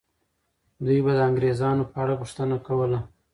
دوی به د انګریزانو په اړه پوښتنه کوله.